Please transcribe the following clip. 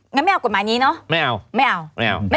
งั้นไม่เอากฎหมายนี้เนาะ